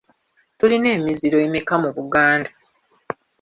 Tulina emiziro emeka mu Buganda.